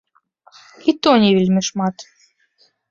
І то не вельмі шмат.